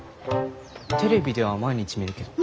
テレビでは毎日見るけど。